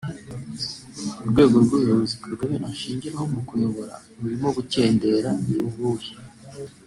urwego rw’ubuyobozi Kagame ashingiraho mu kuyobora rurimo gukendera ni uruhe